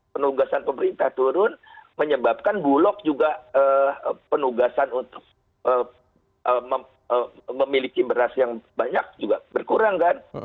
penugasan pemerintah turun menyebabkan bulog juga penugasan untuk memiliki beras yang banyak juga berkurang kan